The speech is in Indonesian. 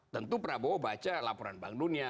tentu prabowo baca laporan bank dunia